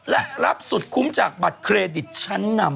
และรับสุดคุ้มจากบัตรเครดิตชั้นนำ